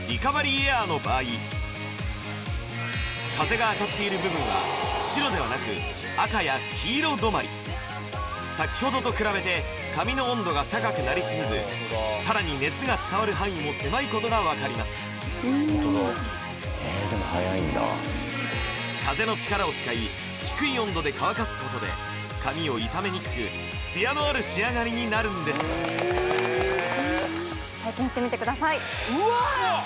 それがの場合風が当たっている部分は白ではなく赤や黄色止まり先ほどと比べて髪の温度が高くなりすぎずさらに熱が伝わる範囲も狭いことが分かります風の力を使い低い温度で乾かすことで髪を傷めにくくツヤのある仕上がりになるんです体験してみてくださいうわっ！